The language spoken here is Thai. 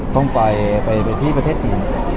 ต้องไปที่ประเทศจีน